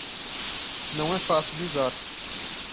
Não é fácil de usar